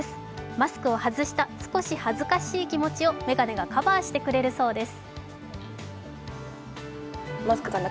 マスクを外した、少し恥ずかしい気持ちを眼鏡がカバーしてくれるそうです。